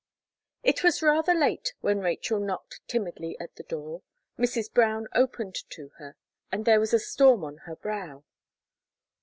It was rather late when Rachel knocked timidly at the door, Mrs. Brown opened to her, and there was a storm on her brow.